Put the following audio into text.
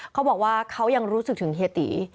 เขาบอกว่าเขายังรู้สึกถึงเฮียตี